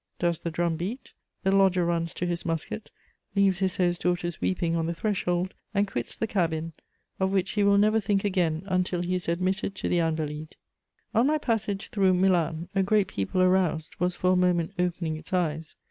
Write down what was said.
Does the drum beat? The lodger runs to his musket, leaves his host's daughters weeping on the threshold, and quits the cabin of which he will never think again until he is admitted to the Invalides. On my passage through Milan, a great people aroused was for a moment opening its eyes.